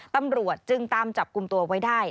ตำรวจจึงตามจับกลุ่มตัวไว้ได้